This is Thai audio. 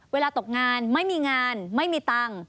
เวลาตกงานไม่มีงานไม่มีตังค์